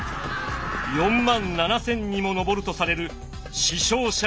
４万７，０００にも上るとされる死傷者を出します。